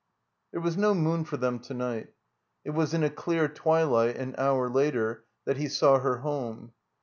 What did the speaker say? There was no moon for them to night. It was in a clear twilight, an hour later, that he saw her home.